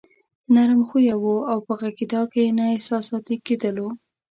نرم خويه وو او په غږېدا کې نه احساساتي کېدلو.